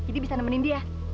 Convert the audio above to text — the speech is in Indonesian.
jadi bisa nemenin dia